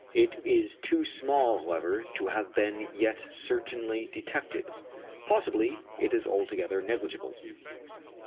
It is too small, however, to have been yet certainly detected. Possibly, it is altogether negligible.